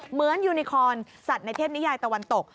เหมือนยูนิคอนสัตว์ในเทพนิยายตะวันตก